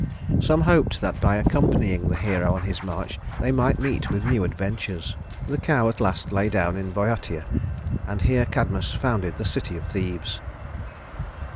Some hoped that by accompanying the hero on his march they might meet with new adventures. The cow at last lay down in Bœotia, and here Cadmus founded the city of Thebes.